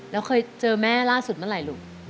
แล้วเคยเจอแม่ล่าสุดเมื่อไหร่ลูก